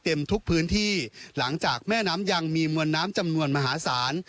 ทุกพื้นที่หลังจากแม่น้ำยังมีมวลน้ำจำนวนมหาศาล